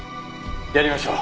やりましょう。